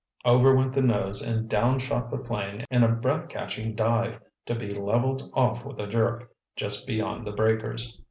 Over went the nose and down shot the plane in a breath catching dive to be leveled off with a jerk, just beyond the breakers.